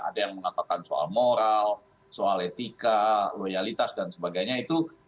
ada yang mengatakan soal moral soal etika loyalitas dan sebagainya itu